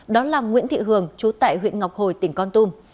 đó là nguyễn thị hường chú tại huyện ngọc hồi tỉnh con tum